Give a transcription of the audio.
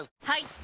はい！